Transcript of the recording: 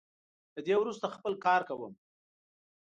له دې وروسته خپل کار کوم.